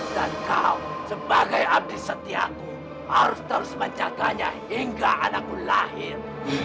dan kau sebagai abdi setiaku harus terus menjaganya hingga anakmu lahir